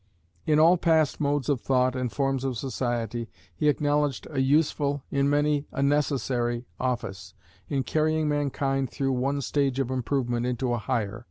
In all past modes of thought and forms of society he acknowledged a useful, in many a necessary, office, in carrying mankind through one stage of improvement into a higher.